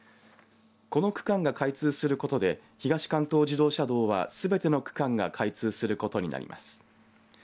この区間が開通することで東関東自動車道はすべての区間が開通することになります。